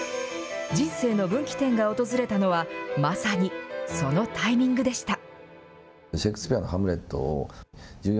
人生の分岐点が訪れたのは、まさにそのタイミングでした。